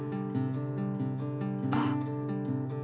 あっ。